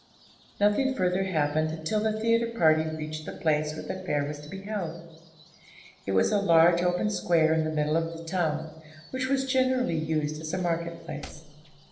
Nothing further happened until the theatre party reached the place where the fair was to be held. It was a large open square in the middle of the town, which was generally used as a market place.